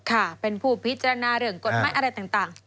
ค่ะเป็นผู้พิจารณาเรื่องกฎหมายอะไรต่าง